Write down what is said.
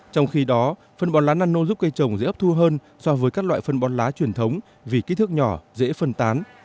trong khi đó phân bón lá nano giúp cây trồng dễ ấp thu hơn so với các loại phân bón lá truyền thống vì kích thước nhỏ dễ phân tán